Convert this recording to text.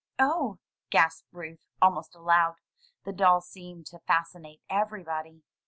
"Oh!" gasped Ruth, almost aloud. The doll seemed to fascinate everybody.